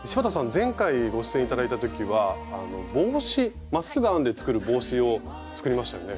前回ご出演頂いた時は帽子まっすぐ編んで作る帽子を作りましたよね？